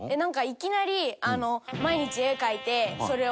いきなりあの毎日絵描いてそれを。